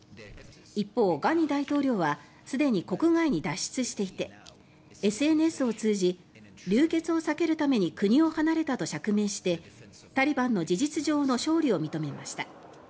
一方、ガニ大統領はすでに国外に脱出していてＳＮＳを通じ流血を避けるために国を離れたと釈明してタリバンの事実上の勝利を認めました。